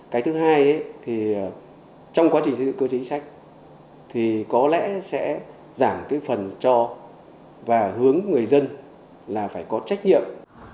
cái thứ hai thì trong quá trình xây dựng cơ chế chính sách thì có lẽ sẽ giảm cái phần cho và hướng người dân là phải có trách nhiệm